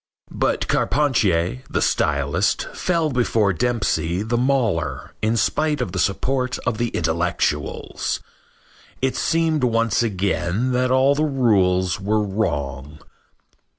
But Carpentier, the stylist, fell before Dempsey, the mauler, in spite of the support of the intellectuals. It seemed once again that all the rules were wrong.